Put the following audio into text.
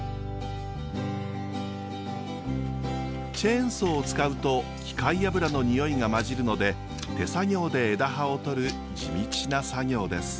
チェーンソーを使うと機械油の臭いが混じるので手作業で枝葉を採る地道な作業です。